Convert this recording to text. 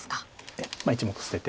ええ１目捨てて。